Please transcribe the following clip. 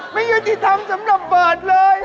ไม่ยอดที่ทำสำหรับเบิร์ดเลย